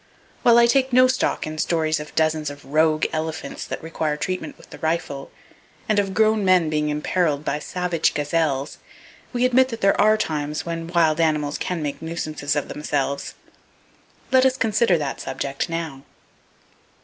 While I take no stock in stories of dozens of "rogue" elephants that require treatment with the rifle, and of grown men being imperiled by savage gazelles, we admit that there are times when wild animals can make nuisances of themselves. Let us consider that subject now.